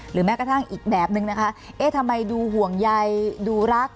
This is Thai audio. แม้กระทั่งอีกแบบนึงนะคะเอ๊ะทำไมดูห่วงใยดูรัก